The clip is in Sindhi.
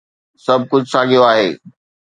سڀ ڪجهه ساڳيو آهي